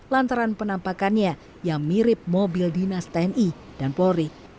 lantaran penampakannya yang mirip mobil dinas tni dan polri